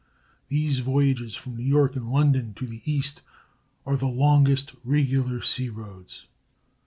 These voyages from New York and London to the East are the longest regular sea roads.